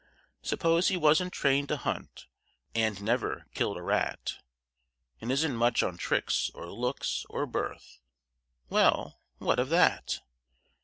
Suppose he wasn't trained to hunt, and never killed a rat, And isn't much on tricks or looks or birth well, what of that?